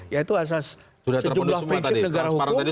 yaitu asas sejumlah prinsip negara hukum